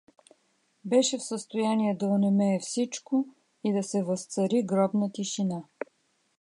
Беше в състояние да онемее всичко и да се възцари гробна тишина.